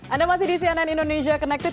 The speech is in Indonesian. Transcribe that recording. anda masih di cnn indonesia connected